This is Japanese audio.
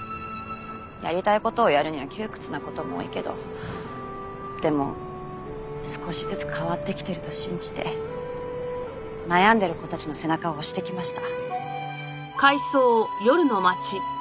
やりたい事をやるには窮屈な事も多いけどでも少しずつ変わってきてると信じて悩んでる子たちの背中を押してきました。